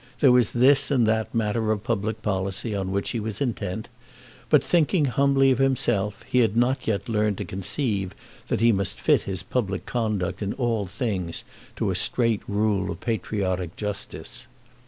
There was this and that matter of public policy on which he was intent, but, thinking humbly of himself, he had not yet learned to conceive that he must fit his public conduct in all things to a straight rule of patriotic justice.